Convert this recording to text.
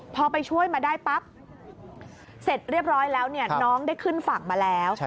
พอไปช่วยมาได้ปั๊บเสร็จเรียบร้อยแล้วน้องได้ขึ้นฝั่งมาแล้ว